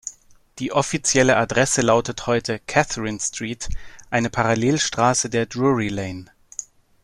Die offizielle Adresse lautet heute Catherine Street, eine Parallelstraße der Drury Lane.